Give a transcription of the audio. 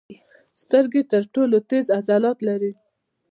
سترګې تر ټولو تېز عضلات لري.